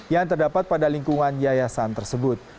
yang terdapat pada lingkungan yayasan tersebut